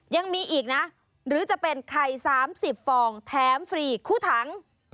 ยังมีอีกนะหรือจะเป็นไข่๓๐ฟองแถมฟรีคู่ถัง